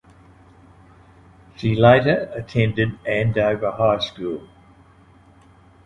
She later attended Andover High School.